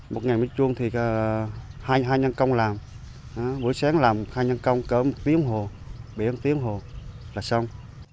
một ngày mới chuông thì hai nhân công làm buổi sáng làm hai nhân công cỡ một tiếng hồ biển một tiếng hồ là xong